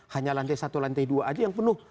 hanya lantai satu lantai dua aja yang penuh